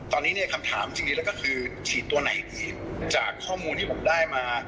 ตอนนี้เนี่ยคำถามจริงแล้วก็คือฉีดตัวไหนที่จากข้อมูลที่ผมได้มา